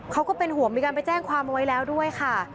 ก็เป็นห่วงมีการไปแจ้งความเอาไว้แล้วด้วยค่ะ